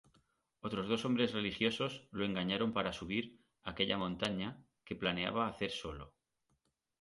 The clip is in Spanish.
Otros dos hombres religiosos lo engañaron para subir aquella montaña que planeaba hacer solo.